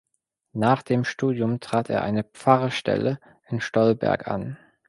Nach dem Studium trat er eine Pfarrstelle in Stolberg an.